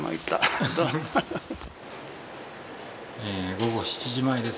午後７時前です。